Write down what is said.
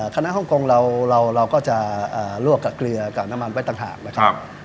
ฮ่องกงเราก็จะลวกกับเกลือกับน้ำมันไว้ต่างหากนะครับ